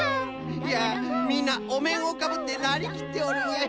いやみんなおめんをかぶってなりきっておるわい。